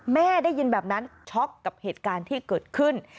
แม่ได้ยินแบบนั้นช็อกกับเหตุการณ์ที่เกิดขึ้น